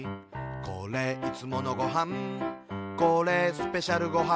「これ、いつものごはんこれ、スペシャルごはん」